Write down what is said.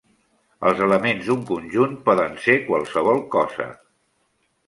Els elements d'un conjunt poden ser qualsevol cosa.